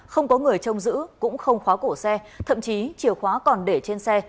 không có người trông giữ cũng không khóa cổ xe thậm chí chìa khóa còn để trên xe